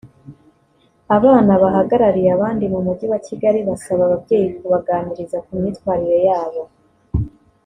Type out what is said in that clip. Abana bahagarariye abandi mu Mujyi wa Kigali basaba ababyeyi kubaganiriza ku myitwarire yabo